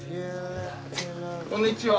こんにちは。